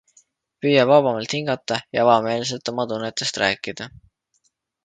Püüa vabamalt hingata ja avameelselt oma tunnetest rääkida.